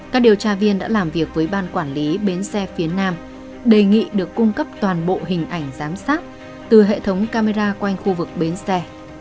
các điều tra viên đã làm việc với ban quản lý bến xe phía nam đề nghị được cung cấp toàn bộ hình ảnh giám sát từ hệ thống camera quanh khu vực bến xe